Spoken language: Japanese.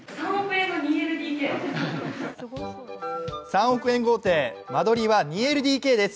３億円豪邸、間取りは２ＬＤＫです。